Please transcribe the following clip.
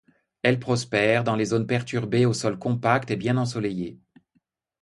Elle prospère dans les zones perturbées aux sols compacts et bien ensoleillées.